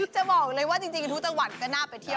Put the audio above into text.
จะบอกเลยว่าจริงทุกจังหวัดก็น่าไปเที่ยว